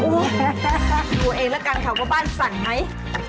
ดูเองแล้วกันเขาก็บ้านสั่งใหม่